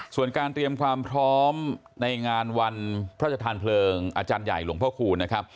ส่วนการเตรียมความพร้อมในงานวันพระชธานเพลิงอาจารย์ใหญ่หลวงพ่อคูณนะครับ